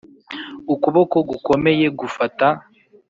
ukuboko gukomeye gufata